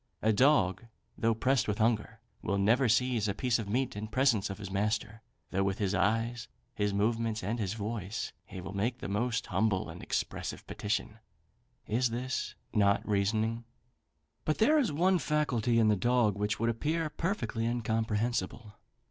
A dog, though pressed with hunger, will never seize a piece of meat in presence of his master, though with his eyes, his movements, and his voice, he will make the most humble and expressive petition. Is not this reasoning? But there is one faculty in the dog which would appear perfectly incomprehensible.